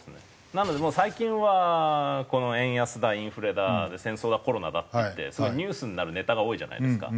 なので最近はこの円安だインフレだ戦争だコロナだっていってすごいニュースになるネタが多いじゃないですか。